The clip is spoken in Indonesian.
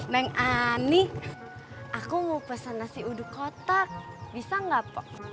neng ani aku mau pesan nasi uduk kotak bisa nggak pok